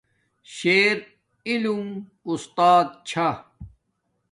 شیر علم اُستات چھا